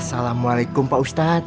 assalamualaikum pak ustadz